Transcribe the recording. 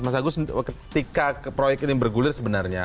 mas agus ketika proyek ini bergulir sebenarnya